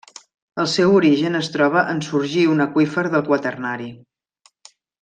El seu origen es troba en sorgir un aqüífer del quaternari.